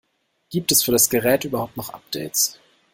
Gibt es für das Gerät überhaupt noch Updates?